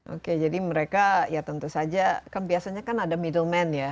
oke jadi mereka ya tentu saja kan biasanya kan ada middleman ya